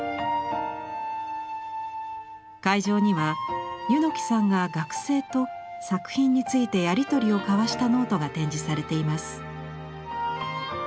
会場には柚木さんが学生と作品についてやり取りを交わしたノートが展示されています。